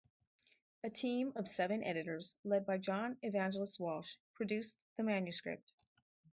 A team of seven editors led by John Evangelist Walsh produced the manuscript.